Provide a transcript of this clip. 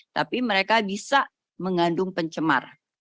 tapi mereka bisa mengandung pencemar